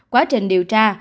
quá trình điều tra